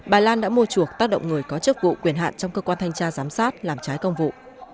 bà lan đã mua chuộc tác động người có chức vụ quyền hạn trong cơ quan thanh tra giám sát làm trái công vụ